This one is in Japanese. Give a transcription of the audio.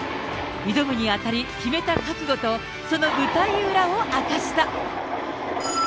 挑むにあたり、決めた覚悟とその舞台裏を明かした。